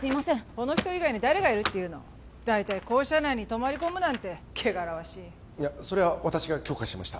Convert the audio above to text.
この人以外に誰がいるっていうの大体校舎内に泊まり込むなんて汚らわしいそれは私が許可しました